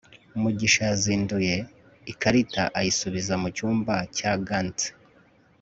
mugisha yazinduye ikarita ayisubiza mu cyumba cya gants